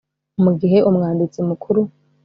mu gihe Umwanditsi Mukuru